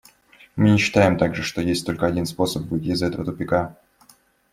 Мы не считаем также, что есть только один способ выйти из этого тупика.